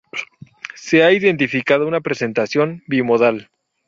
Se ha identificado una presentación bimodal.